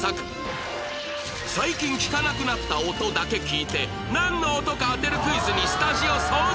最近聞かなくなった音だけ聞いてなんの音か当てるクイズにスタジオ騒然！